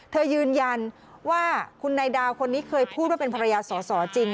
ยืนยันว่าคุณนายดาวคนนี้เคยพูดว่าเป็นภรรยาสอสอจริง